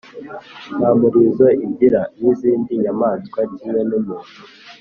nta murizo igira nk’izindi nyamaswa. Kimwe n’umuntu, i